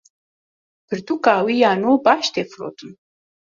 Pirtûka wî ya nû baş tê firotin.